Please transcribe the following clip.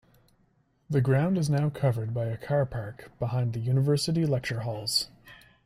The ground is now covered by a car park behind university lecture-halls.